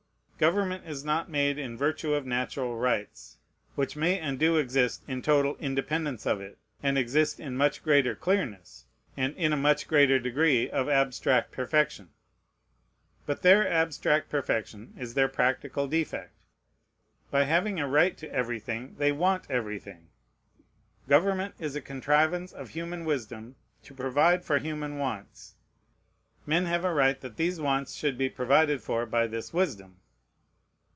Government is not made in virtue of natural rights, which may and do exist in total independence of it, and exist in much greater clearness, and in a much greater degree of abstract perfection: but their abstract perfection is their practical defect. By having a right to everything they want everything. Government is a contrivance of human wisdom to provide for human wants. Men have a right that these wants should be provided for by this wisdom.